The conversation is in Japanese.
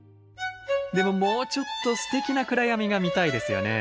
でももうちょっとすてきな暗闇が見たいですよね。